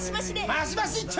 マシマシ一丁！